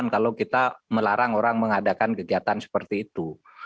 kalau kita melarang orang mengadakan kegiatan seperti itu